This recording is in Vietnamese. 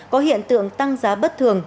có hiện tượng tăng giá bất thường